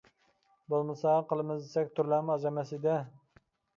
بولمىسا قىلىمىز دېسەك تۈرلەرمۇ ئاز ئەمەس ئىدى.